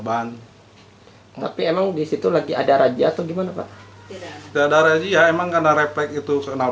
kan tapi emang disitu lagi ada raja atau gimana pak tidak ada raja emang karena refleks itu kenal